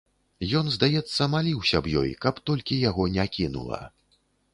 Ён, здаецца, маліўся б ёй, каб толькі яго не кінула.